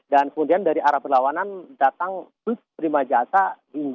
dan juga berdasarkan keterangan yang disampaikan oleh menteri pmk muhajir effendi